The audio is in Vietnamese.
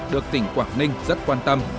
được tỉnh quảng ninh rất quan tâm